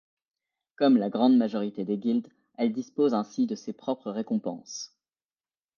Comme la grande majorité des guildes, elle dispose ainsi de ses propres récompenses.